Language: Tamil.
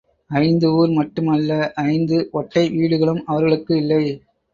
ஐந்து ஊர் மட்டும் அல்ல ஐந்து ஒட்டை வீடுகளும் அவர்களுக்கு இல்லை.